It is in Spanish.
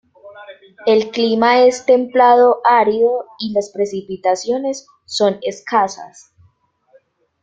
El clima es templado-árido y las precipitaciones son escasas.